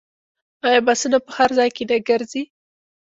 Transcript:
آیا بسونه په هر ځای کې نه ګرځي؟